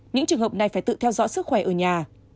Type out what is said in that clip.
những trường hợp này phải tự theo dõi sức khỏe ở nhà